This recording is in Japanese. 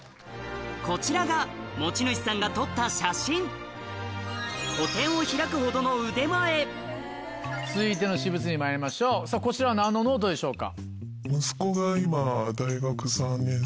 こちらが持ち主さんが撮った写真続いての私物にまいりましょうこちらは何のノートでしょうか？